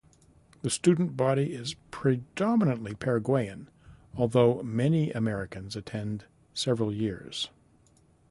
The student body is predominantly Paraguayan, although many Americans attend several years.